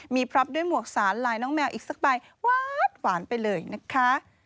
มีพรับด้วยหมวกสารลายน้องแมวอีกสักใบหวานไปเลยนะคะ